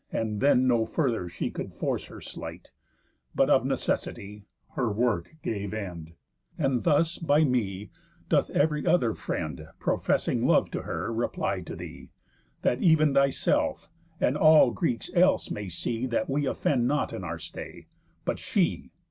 And then no further she could force her sleight, But, of necessity, her work gave end. And thus, by me, doth ev'ry other friend, Professing love to her, reply to thee; That ev'n thyself, and all Greeks else, may see, That we offend not in our stay, but she.